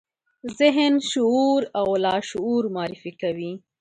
ذهن، شعور او لاشعور معرفي کوي.